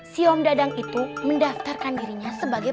si om dadang itu mendaftarkan dirinya sebagai